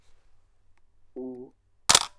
狭叶剪秋罗是石竹科剪秋罗属的植物。